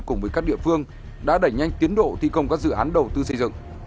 cùng với các địa phương đã đẩy nhanh tiến độ thi công các dự án đầu tư xây dựng